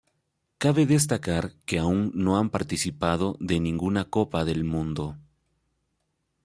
Cabe destacar que aún no han participado de ninguna Copa del Mundo.